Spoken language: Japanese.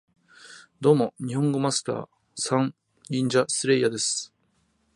ドーモ、ニホンゴマスター＝サン！ニンジャスレイヤーです